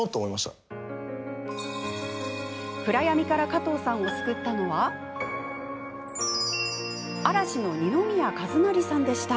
暗闇から加藤さんを救ったのは嵐の二宮和也さんでした。